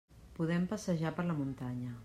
Podem passejar per la muntanya.